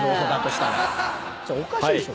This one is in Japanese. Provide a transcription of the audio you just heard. おかしいでしょ。